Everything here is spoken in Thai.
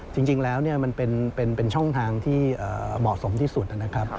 จริงแล้วมันเป็นช่องทางที่เหมาะสมที่สุดนะครับ